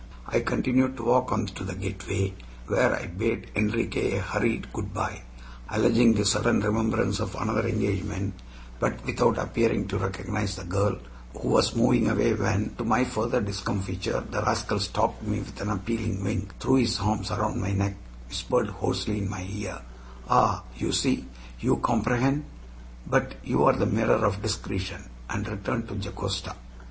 I continued to walk on to the gateway, where I bade Enriquez a hurried good by, alleging the sudden remembrance of another engagement, but without appearing to recognize the girl, who was moving away when, to my further discomfiture, the rascal stopped me with an appealing wink, threw his arms around my neck, whispered hoarsely in my ear, "Ah! you see you comprehend but you are the mirror of discretion!" and returned to Jocasta.